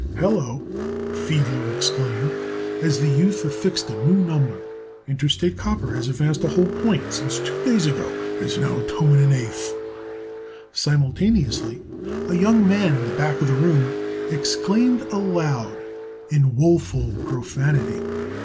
"Hello!" Fiedler exclaimed as the youth affixed a new number. "Interstate Copper has advanced a whole point since two days ago. It's now two and an eighth." Simultaneously, a young man in the back of the room exclaimed aloud in woeful profanity.